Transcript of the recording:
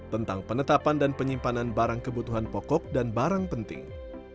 tentang penetapan dan penyimpanan barang kebutuhan pokok dan barang penting